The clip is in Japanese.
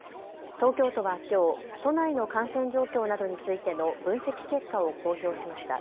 東京都はきょう都内の感染状況などについての分析結果を公表しました。